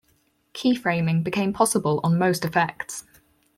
Keyframing became possible on most effects.